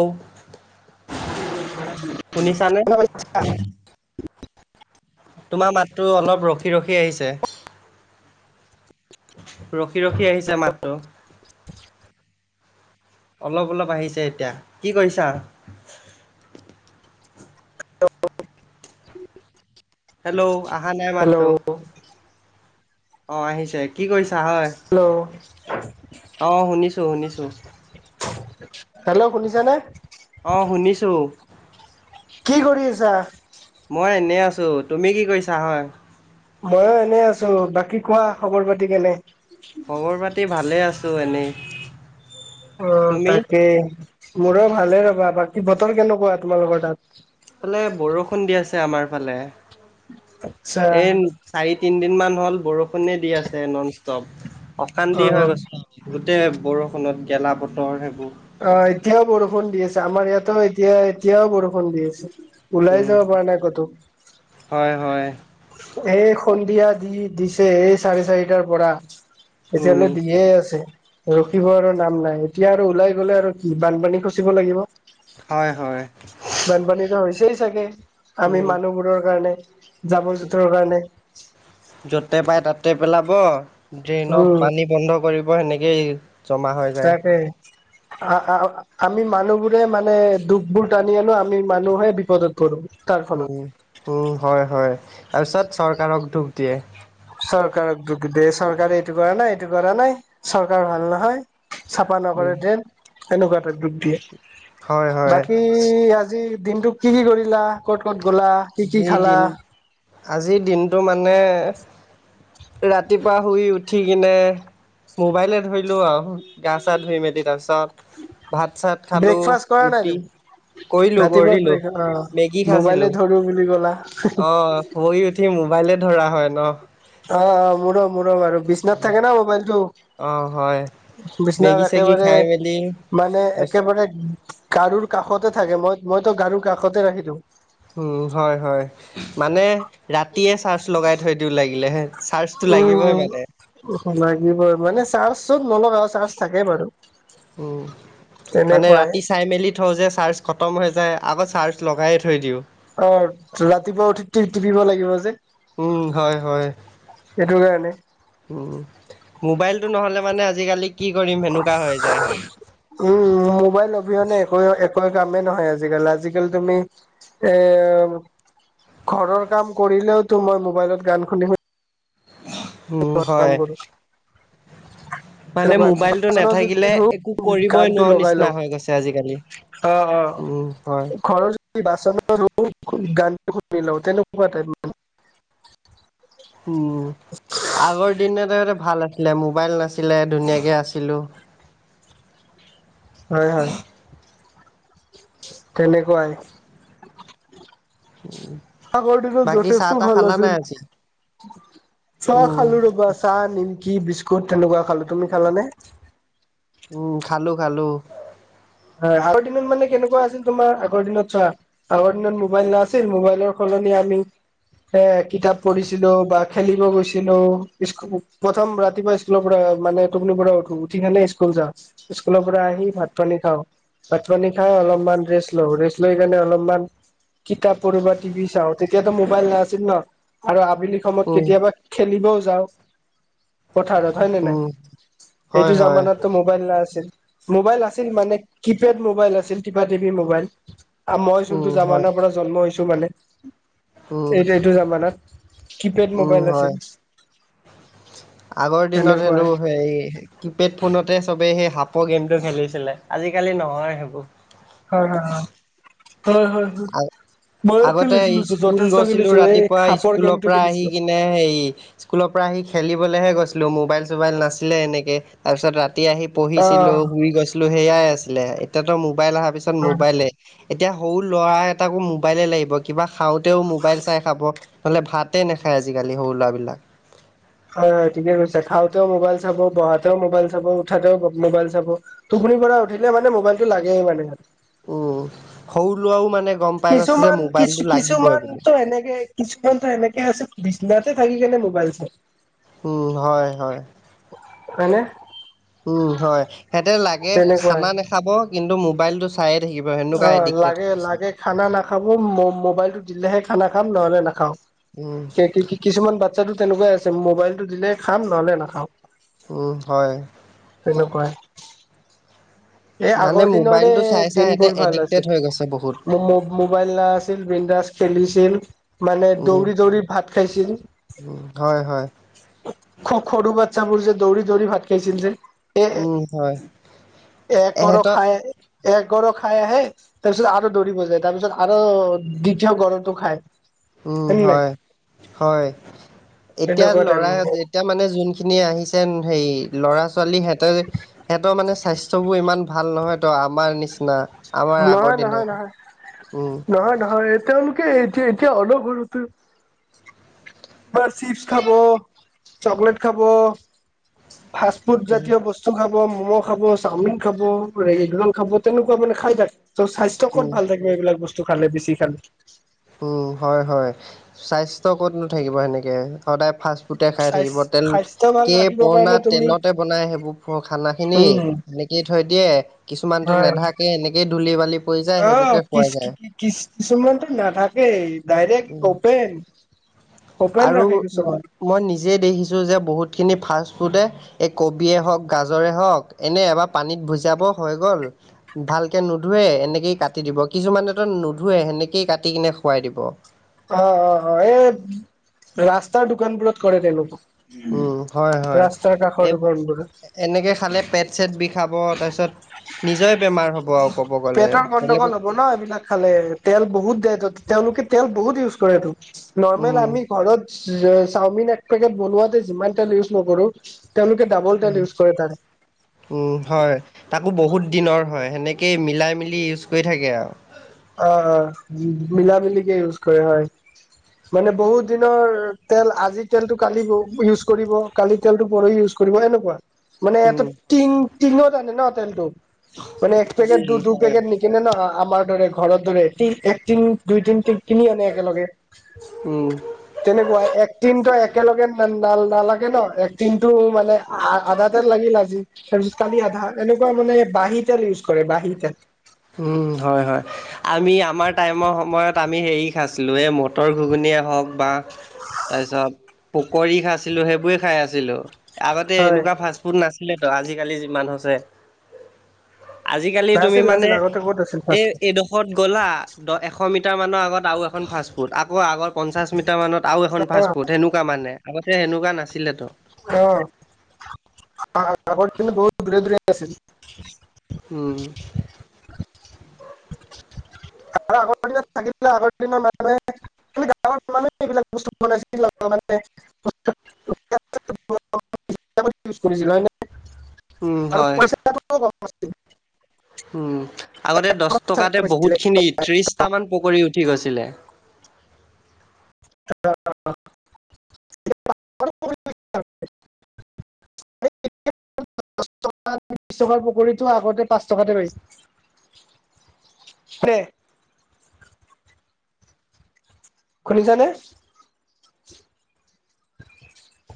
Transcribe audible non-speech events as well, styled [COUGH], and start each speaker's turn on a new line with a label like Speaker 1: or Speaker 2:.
Speaker 1: Hello. শুনিছানে
Speaker 2: শুনা পাইছা?
Speaker 1: তোমাৰ মাতটো অলপ ৰখি ৰখি আহিছে। ৰখি ৰখি আহিছে মাতটো।
Speaker 2: [INAUDIBLE]
Speaker 1: অলপ অলপ আহিছে এতিয়া, কি কৰিছা?
Speaker 2: [UNINTELLIGIBLE]
Speaker 1: হেল্ল' আহা নাই
Speaker 2: হেল্ল'
Speaker 1: মাততো। অ আহিছে কি কৰিছা হয়,
Speaker 2: হেল্ল'
Speaker 1: অ শুনিছো শুনিছো।
Speaker 2: হেল্ল' শুনিছানে?
Speaker 1: অ শুনিছোঁ।
Speaker 2: কি কৰিআছা?
Speaker 1: মই এনেই আছো। তুমি কি কৰিছা হয়?
Speaker 2: ময়ো এনে আছো বাকী কোৱা খবৰ পাতি কেনে?
Speaker 1: খবৰ পাতি ভালে আছোঁ এনেই।
Speaker 2: অ
Speaker 1: তুমি
Speaker 2: তাকেই মোৰো ভালে ৰবা। বাকী বতৰ কেনেকুৱা তোমালোকৰ তাত?
Speaker 1: এইফালে বৰষুণ দি আছে আমাৰ ফালে।
Speaker 2: আচ্ছা
Speaker 1: চাৰি তিন দিন মান হল বৰষুণে দি আছে নন ষ্টপ
Speaker 2: অ
Speaker 1: অশান্তি হয় গৈছে। গোটেই বৰষুণত গেলা বতৰ সেইবোৰ।
Speaker 2: অ এতিয়াও বৰষুণ দি আছে আমাৰ ইয়াতো এতিয়া এতিয়াও বৰষুণ দি আছে। ওলাই
Speaker 1: উম
Speaker 2: যাব পৰা নাই ক'তো।
Speaker 1: হয় হয়।
Speaker 2: এই সন্ধিয়া দি দিছে এই চাৰে চাৰিটাৰ পৰা
Speaker 1: উম।
Speaker 2: এতিয়ালৈ দিয়ে আছে ৰখিব আৰু নাম নাই এতিয়া আৰু ওলাই গলে আৰু কি বানপানী খচিব লাগিব।
Speaker 1: হয় হয়।
Speaker 2: বানপানীতো হৈছেই চাগে আমি
Speaker 1: উম,
Speaker 2: মানুহবোৰৰ কাৰণে জাবৰ জোঁথৰ কাৰণে।
Speaker 1: যতে পাই তাতে পেলাব ড্ৰেইনৰ
Speaker 2: উম
Speaker 1: পানী বন্ধ কৰিব সেনেকেই জমা হয়।
Speaker 2: তাকে আ-আ-আমি মানুহ বোৰে মানে দুখবোৰ টানি আনো আমি মানুহে বিপদত পৰো। তাৰ ফলত
Speaker 1: উম উম হয় হয় তাৰপিছত চৰকাৰক দুখ দিয়ে।
Speaker 2: চৰকাৰক দুখ দিয়ে চৰকাৰে এইটো কৰা নাই, এইটো কৰা নাই, চৰকাৰ ভাল নহয় [UNINTELLIGIBLE]
Speaker 1: উম।
Speaker 2: নকৰে যেন এনেকুৱা টাইপ দুখ দিয়ে
Speaker 1: হয় হয়
Speaker 2: বাকী বাকী আজি দিনটো কি কি কৰিলা ক'ত ক'ত গ'লা? কি কি
Speaker 1: আজিৰ
Speaker 2: খালা
Speaker 1: দিন আজিৰ দিনটো মানে ৰাতিপুৱা শুই উঠি কিনে মোবাইলে ধৰিলোঁ আৰু গা চা ধুই মেলি তাৰপিছত। তাত ভাত চাত খালো
Speaker 2: ব্ৰেকফাষ্ট কৰা নাই
Speaker 1: ৰুটি
Speaker 2: তুমি
Speaker 1: কৰিলো
Speaker 2: ৰাতিপুৱা
Speaker 1: কৰিলো
Speaker 2: ব্ৰেক অ
Speaker 1: মেগী
Speaker 2: মোবাইলে
Speaker 1: খাইছিলো
Speaker 2: ধৰো বুলি ক'লা
Speaker 1: অ শুই উঠি মোবাইলে ধৰা হয় ন
Speaker 2: অ অ মোৰো মোৰো আৰু বিচনাতে থাকে ন মোবাইলটো
Speaker 1: অ হয়
Speaker 2: বিচনাত
Speaker 1: মেগী চেগি
Speaker 2: একেবাৰে
Speaker 1: খাই মেলি
Speaker 2: মানে একেবাৰে গাৰুৰ কাষতে থাকে মই মইতো গাৰুৰ কাষতে ৰাখি দিওঁ।
Speaker 1: উম হয় হয় মানে ৰাতিয়ে চাৰ্জ লগাই থৈ দিওঁ লাগিলেহে।
Speaker 2: উম লাগিবই মানে চাৰ্জত নলগাও চাৰ্জ থাকে বাৰু
Speaker 1: উম মানে
Speaker 2: তেনেকুৱাই।
Speaker 1: ৰাতি চাই মেলি থওঁ যে চাৰ্জ খতম হৈ যায় আকৌ চাৰ্জ লগাই থৈ দিওঁ।
Speaker 2: অ ৰাতিপুৱা উঠি টি টিপিব লাগিব যে।
Speaker 1: উম হয় হয়
Speaker 2: সেইটো কাৰণে।
Speaker 1: উম মোবাইলটো নহ'লে মানে আজি-কালি কি কৰিম সেনেকুৱা হৈ যায়।
Speaker 2: উম মোবাইল অবিহনে একোৱে একোৱে কামেই নহয় আজি-কাল আজি-কালি তুমি এ ঘৰৰ কাম কৰিলেওতো মই মোবাইলত গান শুনি শুনি
Speaker 1: উম
Speaker 2: কাম
Speaker 1: হয়
Speaker 2: কৰো।
Speaker 1: মানে মোবাইলতো
Speaker 2: বাচনো যদি
Speaker 1: নাথাকিলে
Speaker 2: ধো
Speaker 1: একো কৰিবই নোৱাৰো নিচিনা হৈ গৈছে আজি-কালি
Speaker 2: অ অ
Speaker 1: উম হয়
Speaker 2: ঘৰত বাচন [UNINTELLIGIBLE] গান শুনি লও তেনেকুৱা টাইপৰ
Speaker 1: উম আগৰ দিনতে ভাল আছিলে মোবাইল নাছিলে ধুনীয়াকে আছিলো।
Speaker 2: হয় হয় তেনেকুৱাই।
Speaker 1: উম
Speaker 2: আগৰ দিনত যথেষ্ট ভাল আছিল চাহ
Speaker 1: উম,
Speaker 2: খালো ৰবা। চা নিমকি বিস্কুট তেনেকুৱা খালো তুমি খালানে
Speaker 1: উম খালো খালো।
Speaker 2: হয় আগৰ দিনত মানে কেনেকুৱা আছিল তোমাৰ আগৰ দিনত চোৱা আগৰ দিনত মোবাইল নাছিল মোবাইলৰ সলনি আমি এ কিতাপ পঢ়িছিলো বা খেলিব গৈছিলো স্কুল প্ৰথম ৰাতিপুৱা স্কুলৰ পৰা মানে টোপনিৰ পৰা উঠো উঠি কিনে স্কুল যা স্কুল পৰা আহি ভাত পানী খাওঁ। ভাত পানী খাওঁ অলপমান ৰেষ্ট লওঁ ৰেষ্ট লৈ কেনে অলপমান কিতাপ পঢ়ো বা টিভি চাওঁ তেতিয়াতো মোবাইল নাছিল ন আৰু আবেলি সমত
Speaker 1: উম,
Speaker 2: কেতিয়াবা খেলিবও যাওঁ। পথাৰত হয় নে নাই
Speaker 1: উম,
Speaker 2: এইটো
Speaker 1: হয় হয়।
Speaker 2: জামানাতটো মোবাইল নাছিল মোবাইল আছিল মানে কিপেড মোবাইল আছিল টিপা টিপি ম'বাইল আ মই
Speaker 1: উম,
Speaker 2: যোনটো
Speaker 1: হয়।
Speaker 2: যামানাৰ পৰা জন্ম হৈছো মানে
Speaker 1: উম,
Speaker 2: এইটো এইটো জামানাত কিপেড
Speaker 1: উম,
Speaker 2: মোবাইল আছিল
Speaker 1: হয়। আগৰ দিনত হেনো
Speaker 2: তেনেকুৱাই হয়
Speaker 1: হে কিপেড ফোনতে সবেই সেই সাপৰ গেমটো খেলিছিলে আজিকালি নহয় সেইবোৰ
Speaker 2: হয় হয় হয় হয় হয়
Speaker 1: আ
Speaker 2: ময়ো
Speaker 1: আগতে
Speaker 2: খেলিছিলো
Speaker 1: স্কুল
Speaker 2: যথেষ্ট খেলিছো এই খাপৰ গেমটো খেলিছিলো
Speaker 1: নাই সেই স্কুলৰ পৰা আহি খেলিবলৈহে গৈছিলো মোবাইল চোবাইল নাছিলে এনেকে তাৰ পিছত ৰাতি আহি পঢ়িছিলো
Speaker 2: আহ
Speaker 1: শুই গৈছিলো সেইয়াই আছিলে এতিয়াতো মোবাইল অহাৰ পিছত
Speaker 2: হয়
Speaker 1: মোবাইলে এতিয়া সৰু ল'ৰা এটাকো মোবাইলে লাগিব কিবা খাওঁতেও মোবাইল চাই খাব নহ'লে ভাতে নাখায় আজিকালি সৰু ল'ৰাবিলাক
Speaker 2: হয় হয় ঠিকে কৈছে খাওঁতেও মোবাইল চাব বহাতেও মোবাইল চাব উঠাতেও মোবাইল চাব টোপনিৰ পৰা উঠিলে মানে মবাইলটো লাগেই মানে
Speaker 1: উ সৰু লোৱাও মানে গম পাই গৈছে যে
Speaker 2: কিছুমান কিছু
Speaker 1: মোবাইলটো লাগিবই বুলি
Speaker 2: কিছুমানতটো এনেকে কিছুমান টো এনেকে আছে বিছনাতে থাকি কেনে মোবাইল চাই
Speaker 1: উম হয় হয়
Speaker 2: হয়নে
Speaker 1: উম হয় সেতে লাগে
Speaker 2: তেনেকুৱাই
Speaker 1: খানা নাখাব কিন্তু মোবাইলটো চ চায়ে থাকিব সেনেকুৱা
Speaker 2: অ
Speaker 1: এডিকটেত
Speaker 2: লাগে
Speaker 1: হৈছ
Speaker 2: লাগে খানা নাখাব ম মোবাইলতটো দিলেহে খানা খাম নহলে নাখাওঁ
Speaker 1: উম
Speaker 2: কে কি কি কিছুমান বাচ্ছাটো তেনেকুৱাই আছে মোবাইলতো দিলেহে খাম নহলে নাখাও
Speaker 1: উম হয়
Speaker 2: তেনেকুৱাই এই
Speaker 1: মানে
Speaker 2: আগৰ দিনৰে
Speaker 1: মোবাইলটো চাই চাই
Speaker 2: দিন
Speaker 1: সিহঁতে
Speaker 2: বহুত ভাল
Speaker 1: এডিক্টেড
Speaker 2: আছিল
Speaker 1: হৈ গৈছে বহুত
Speaker 2: ম ম মোবাইল না আছিল বিনডাছ খেলিছিল মানে দৌৰি দৌৰি ভাত খাইছিল
Speaker 1: উ হয় হয়
Speaker 2: স স সৰু বাচ্ছাবোৰ যে দৌৰি দৌৰি ভাত খাইছিল যে এ
Speaker 1: উম হয়
Speaker 2: এ এক গৰ
Speaker 1: এহেঁতৰ
Speaker 2: খাই এক গৰ খাই আহে তাৰপিছত আৰু দৌৰিব যায় তাৰপিছত আৰু দ্বিতীয় গৰ টো খায়
Speaker 1: উম হয় হয় এতিয়া
Speaker 2: তেনেকুৱা টাইম
Speaker 1: লৰাই এতিয়া মানে যোনখিনি আহিছে সে ল'ৰা ছোৱালী সিহঁতে সেতৰ মানে স্বাস্থ্য বোৰ ইমান ভাল নহয় তো আমাৰ নিচিনা আমাৰ আগৰ
Speaker 2: নহয়
Speaker 1: দিন
Speaker 2: নহয় নহয়
Speaker 1: শেষ উম
Speaker 2: নহয় নহয় তেওঁলোকে এতিয়া এতিয়া অলপ হলেওটো কাৰ চিপছ খাব চকলেট খাব ফাষ্ট ফুড
Speaker 1: উম
Speaker 2: জাতীয় বস্তু টো খাব, ম'ম খাব, চাওমিন খাব, ৰে ৰং খাব তেনেকুৱা মানে খাই থাকে। ত স্বাস্থ্য
Speaker 1: উম
Speaker 2: ষ্টকত ভাল থাকে এইবিলাক বস্তু খালে বেছি খালে
Speaker 1: উ হয় হয় স্বাস্থ্য ক'তনো থাকিব সেনেকে সদায় ফাষ্ট ফুটে খাই থাকিব তেন
Speaker 2: স্বাস্থ্য ভাল
Speaker 1: কে
Speaker 2: ৰাখিবৰ
Speaker 1: পুৰণা
Speaker 2: কাৰণে তুমি
Speaker 1: তেলতে বনাই সেইবোৰ খানা খিনি
Speaker 2: উম
Speaker 1: কে থৈ দিয়ে কিছুমানতো
Speaker 2: হয়
Speaker 1: নেধাকে এনেকেই ধূলি বালি পৰি যায় সেইবোৰকে খুৱাই যায়
Speaker 2: কিছ কিছুমানতো নাথাকেই
Speaker 1: উম
Speaker 2: ডাইৰেক্ট অপেন অপেন
Speaker 1: আৰু
Speaker 2: ৰাখি দিছ কিছুমান
Speaker 1: মই নিজেই দেখিছোঁ যে বহুতখিনি ফাষ্ট ফুডে এই কবিয়ে হওক গাজৰে হওক, এনে এবাৰ পানীত ভুজাব হৈ গ'ল। ভালকে নুধোৱে এনেকেই কাটি দিব কিছুমানেতো নুধোৱে, সেনেকেই কাটি কিনে খুৱাই দিব।
Speaker 2: অ' অ' অ', এই, ৰাস্তাৰ দোকান বোৰত কৰে তেনেকোৱা।
Speaker 1: উম হয় হয়
Speaker 2: ৰাস্তাৰ
Speaker 1: এই
Speaker 2: কাষৰ দোকানবোৰ।
Speaker 1: এনেকে খালে পেট চেট বিষাব, তাৰপিছত নিজৰে বেমাৰ হ'ব আৰু। ক'ব গ'লে
Speaker 2: পেটৰ গণ্ডগোল
Speaker 1: বেলেগক
Speaker 2: হ'ব ন এইবিলাক খালে তেল বহুত দে ত তেওঁলোকে তেল বহুত ইউজ কৰেটো, নৰ্মেল
Speaker 1: উম
Speaker 2: আমি ঘৰত চাওমিন এক পেকেট বনোৱাতে যিমান তেল ইউজ নকৰো, তেওঁলোকে ডাবল
Speaker 1: উম
Speaker 2: তেল ইউজ কৰে তাৰে।
Speaker 1: উম হয়, তাকো বহুত দিনৰ হয় সেনেকেই মিলাই মিলি ইউজ কৰি থাকে আৰু।
Speaker 2: অ' অ' মিলা মিলিকে ইউজ কৰে হয়। মানে বহুত দিনৰ তেল, আজি তেলতটো কালি ইউজ কৰিব। কালি তেলটো পৰষি ইউজ কৰিব এনেকুৱা। মানে এটো,
Speaker 1: উম
Speaker 2: টিং টিঙত আনে ন তেলটো, মানে এক পেকেট দু
Speaker 1: উম
Speaker 2: দুই
Speaker 1: হয়
Speaker 2: পেকেট নেকি। কেনে নহয় আমাৰ দৰে ঘৰৰ দৰে, তি এক টিন দুই তিন ট কিনি আনে একেলগে।
Speaker 1: উম।
Speaker 2: তেনেকুৱা এক টিনটো একেলগে নাল নালাগে ন এক টিন টো মানে আধা তেল লাগিল আজি, তাৰপিছত কালি আধা এনেকুৱা মানে বাঁহী তেল ইউজ কৰে বাঁহী তেল।
Speaker 1: উম হয় হয়, আমি আমাৰ টাইমৰ সময়ত আমি হেৰি খাইছিলোঁ এই ম তৰ ঘুগুনিয়ে হওক, বা তাৰপিছত পকৰি খাইছিলো সেইবোৰে খাই আছিলোঁ। আগতে
Speaker 2: হয়
Speaker 1: এনেকুৱা ফাষ্ট ফুড নাছিলে তো, আজিকালি যিমান হৈছে। আজিকালি তুমি
Speaker 2: নাছিল নাছিল
Speaker 1: মানে
Speaker 2: আগতে ক'ত আছিল
Speaker 1: এই
Speaker 2: ফাষ্ট ফুড।
Speaker 1: এইডোখৰত গ'লা দ এশ মিটাৰ মানৰ আগত আৰু এখন ফাষ্ট ফুড আকৌ আগৰ পঞ্চাশ মিটাৰ মানত তাও এখন
Speaker 2: ফুড
Speaker 1: ফাষ্টফুড সেনেকুৱা মানে, আগতে এনেকুৱা নাছিলেতো।
Speaker 2: অ', আ আগৰ দিনত বহুত দূৰে দূৰে আছিল।
Speaker 1: উম [UNINTELLIGIBLE]
Speaker 2: আৰু আগৰ দিনত থাকিলে, আগৰ দিনৰ মানে গাঁ মানুহে এইবোৰ বস্তু বনাইছিল [UNINTELLIGIBLE] [UNINTELLIGIBLE] হয় নে
Speaker 1: উম
Speaker 2: আৰু
Speaker 1: হয়
Speaker 2: পইচাটো কম। আছিল
Speaker 1: উম, আগতে দহ টকাতে
Speaker 2: বিশ
Speaker 1: বহুত খিনি ত্ৰিশটামান পকৰি উঠি গৈছিলে।
Speaker 2: [UNINTELLIGIBLE]
Speaker 1: [UNINTELLIGIBLE]
Speaker 2: [UNINTELLIGIBLE] টকা, বিশ টকাৰ পকৰিটো আগতে পাঁচ টকাতে পাইছিল। [UNINTELLIGIBLE] শুনিছানে? [INAUDIBLE]